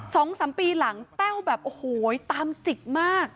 สองสามปีหลังแต้วแบบโอ้โหตามจิกมาก